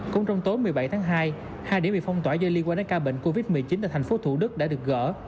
cũng trong tối một mươi bảy tháng hai hai điểm bị phong tỏa do liên quan đến ca bệnh covid một mươi chín ở thành phố thủ đức đã được gỡ